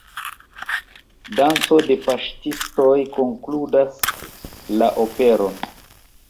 Danco de paŝtistoj konkludas la operon.